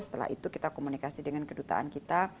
setelah itu kita komunikasi dengan kedutaan kita